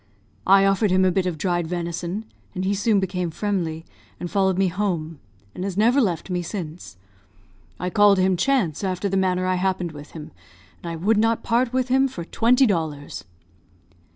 I offered him a bit of dried venison, and he soon became friendly, and followed me home, and has never left me since. I called him Chance, after the manner I happened with him; and I would not part with him for twenty dollars."